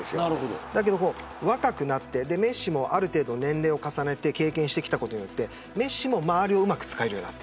だけど若くなってメッシもある程度、年齢を重ねて経験してきたことによってメッシも周りをうまく使えるようになった。